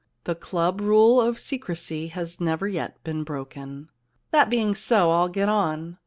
* The club rule of secrecy has never yet been broken.' * That being so, I'll get on.